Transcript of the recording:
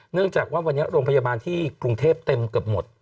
เนื่องจากว่าวันนี้โรงพยาบาลที่กรุงเทพเต็มเกือบหมด